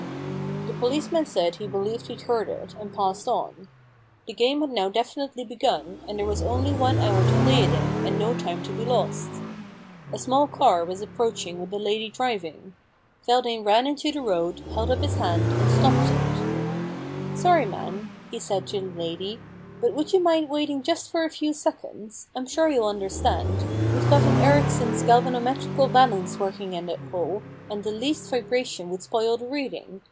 The policeman said he believed he'd heard it, and passed on. The game had now definitely begun, and there was only one hour to play it in and no time to be lost. A small car was approaching with a lady driving. Feldane ran into the road, held up his hand, and stopped it. * Sorry, madam,' he said to the lady, * but would you mind waiting just for a few seconds ? I'm sure you'll understand. We've got an Erichsen's galvanometrical balance working in that hole, and the least vibration would spoil the reading.